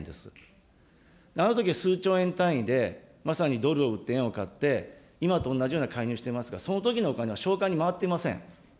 あのときは数兆円単位で、まさにドルを売って円を買って、今と同じような介入をしていますが、そのときのお金は償還に回ってません。